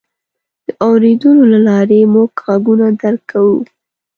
د اورېدلو له لارې موږ غږونه درک کوو.